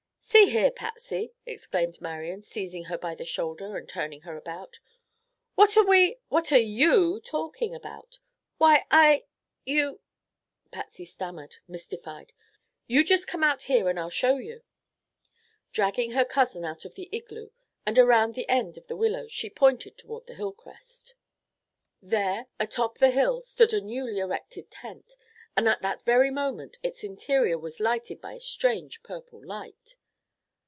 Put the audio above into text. "See here, Patsy," exclaimed Marian, seizing her by the shoulder and turning her about, "what are we—what are you talking about?" "Why, I—you—" Patsy stammered, mystified, "you just come out here and I'll show you." Dragging her cousin out of the igloo and around the end of the willows, she pointed toward a hillcrest. There, atop the hill, stood a newly erected tent, and at that very moment its interior was lighted by a strange purple light.